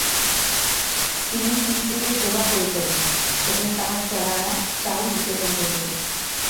তিনি পীড়িতদের সেবা করিতেন এবং তাঁহার চেলারা চাউল বিতরণ করিত।